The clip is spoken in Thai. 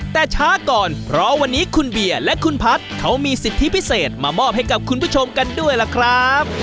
แต่ช้าก่อนเพราะวันนี้คุณเบียร์และคุณพัฒน์เขามีสิทธิพิเศษมามอบให้กับคุณผู้ชมกันด้วยล่ะครับ